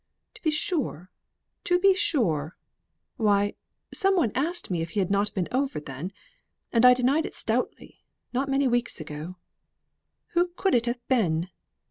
"To be sure! To be sure! Why, some one asked me if he had not been over then, and I denied it stoutly not many weeks ago who could it have been?